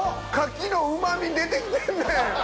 牡蠣のうま味出てきてんねん。